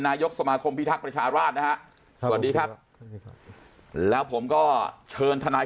นายกสมาคมพิทักษ์ประชาราชนะฮะสวัสดีครับแล้วผมก็เชิญทนาย